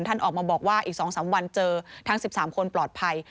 ท่านออกมาบอกว่าอีก๒๓วันเจอทั้ง๑๓คนปลอดภัย